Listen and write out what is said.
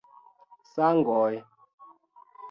Sangoj.